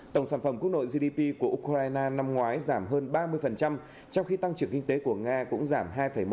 tổng sản phẩm quốc nội gdp của ukraine năm ngoái giảm hơn ba mươi trong khi tăng trưởng kinh tế của nga cũng giảm hai một